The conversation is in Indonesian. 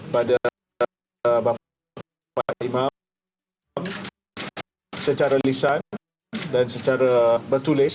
pada bapak imam secara lisan dan secara bertulis